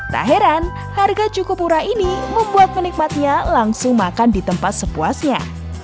tak heran harga cukup murah ini membuat penikmatnya langsung makan di tempat sepuasnya